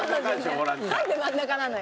なんで真ん中なのよ。